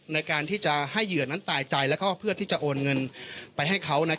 ในการที่จะให้เหยื่อนั้นตายใจแล้วก็เพื่อที่จะโอนเงินไปให้เขา